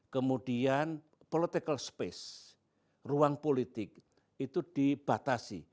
kemudian political space ruang politik itu dibatasi